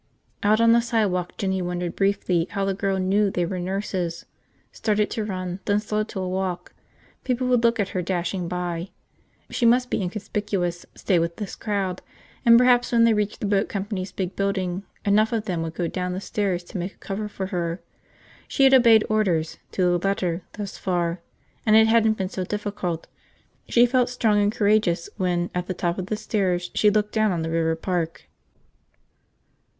Out on the sidewalk Jinny wondered briefly how the girl knew they were nurses, started to run, then slowed to a walk. People would look at her, dashing by. She must be inconspicuous, stay with this crowd, and perhaps when they reached the boat company's big building enough of them would go down the stairs to make a cover for her. She had obeyed orders to the letter, thus far. And it hadn't been so difficult. She felt strong and courageous when, at the top of the stairs, she looked down on the river park.